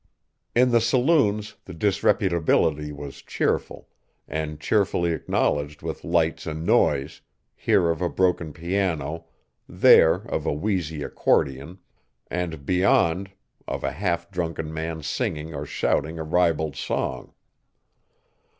In the saloons the disreputability was cheerful, and cheerfully acknowledged with lights and noise, here of a broken piano, there of a wheezy accordion, and, beyond, of a half drunken man singing or shouting a ribald song.